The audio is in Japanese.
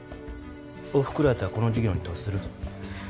おふくろやったらこの事業に投資する？